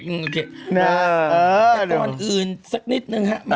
อืมโอเคเออแต่กรอบอื่นสักนิดนึงครับ